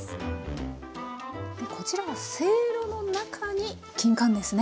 こちらはせいろの中にきんかんですね。